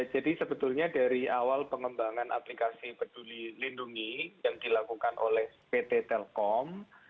jadi sebetulnya dari awal pengembangan aplikasi peduli lindungi yang dilakukan oleh pt telkom